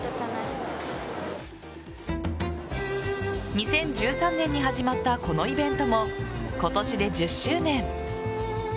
２０１３年に始まったこのイベントも今年で１０周年。